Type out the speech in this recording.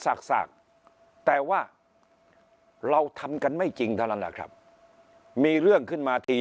สากแต่ว่าเราทำกันไม่จริงเท่านั้นแหละครับมีเรื่องขึ้นมาที